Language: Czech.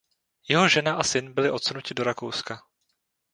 Jeho žena a syn byli odsunuti do Rakouska.